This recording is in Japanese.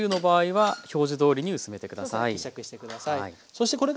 はい。